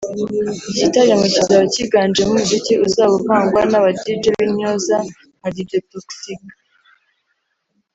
Iki gitaramo kizaba kiganjemo umuziki uzaba uvangwa n’aba Dj b’intyoza nka Dj Toxxyk